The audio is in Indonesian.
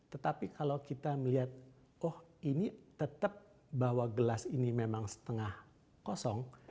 tetapi kalau kita melihat oh ini tetap bahwa gelas ini memang setengah kosong